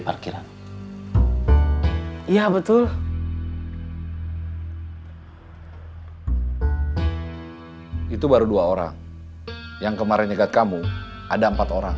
parkiran iya betul itu baru dua orang yang kemarin dekat kamu ada empat orang